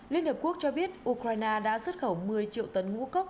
liên hợp quốc cho biết ukraine đã xuất khẩu một mươi triệu tấn ngũ cốc